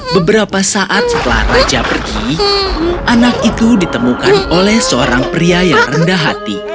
beberapa saat setelah raja pergi anak itu ditemukan oleh seorang pria yang rendah hati